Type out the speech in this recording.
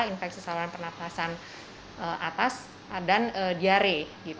infeksi saluran pernafasan atas dan diare